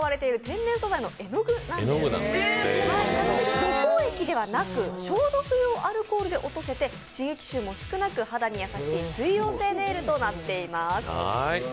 除光液ではなく、消毒用アルコールで落とせて刺激臭も少なく、肌に優しい水溶性ネイルとなっています。